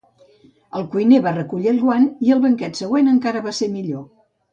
El cuiner va recollir el guant, i el banquet següent encara va ser millor.